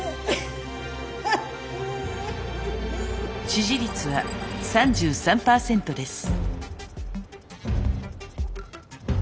支持率は３３％です。